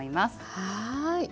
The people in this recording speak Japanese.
はい。